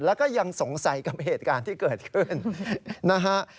แล้วก็ยังสงสัยกับเหตุการณ์ที่เกิดขึ้นนะฮะ